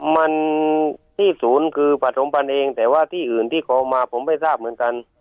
มันที่ศูนย์คือปฐมพันธ์เองแต่ว่าที่อื่นที่คลองมาผมไม่ทราบเหมือนกัน